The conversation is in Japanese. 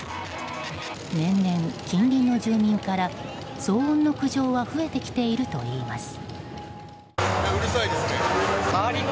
年々近隣の住民から騒音の苦情が増えてきているといいます。